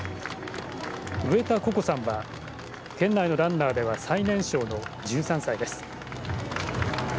植田心子さんは県内のランナーでは最年少の１３歳です。